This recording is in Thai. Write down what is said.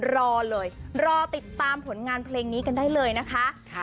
รอเลยรอติดตามผลงานเพลงนี้กันได้เลยนะคะ